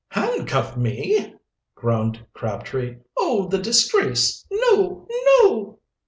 "Handcuff me!" groaned Crabtree, "Oh, the disgrace! No! no!"